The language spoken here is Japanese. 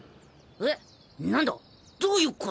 えっ？